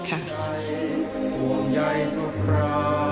ขอบคุณค่ะ